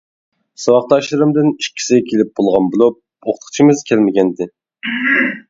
ساۋاقداشلىرىمدىن ئىككىسى كېلىپ بولغان بولۇپ، ئوقۇتقۇچىمىز كەلمىگەنىدى.